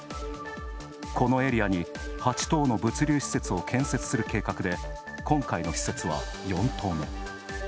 このエリアに８棟の物流施設を建設する計画で今回の施設は４棟目。